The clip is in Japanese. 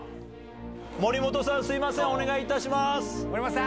森本さん、すみません、お願いい森本さん。